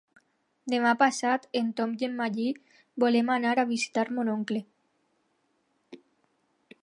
Demà passat en Tom i en Magí volen anar a visitar mon oncle.